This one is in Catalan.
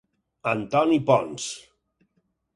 Antoni Pons.